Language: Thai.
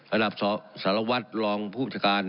ระดับสารวัตรรองผู้จัดการ